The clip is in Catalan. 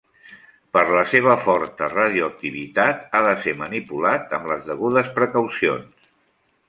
Per la seva forta radioactivitat ha de ser manipulat amb les degudes precaucions.